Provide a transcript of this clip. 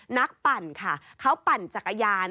ปั่นค่ะเขาปั่นจักรยาน